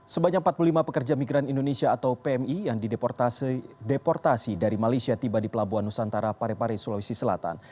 sebanyak empat puluh lima pekerja migran indonesia atau pmi yang dideportasi dari malaysia tiba di pelabuhan nusantara parepare sulawesi selatan